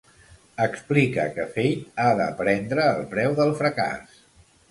Explica que Feyd ha d'aprendre el preu del fracàs.